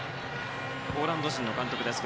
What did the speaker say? ポーランド人の監督です